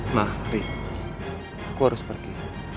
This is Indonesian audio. ma riri aku harus pergi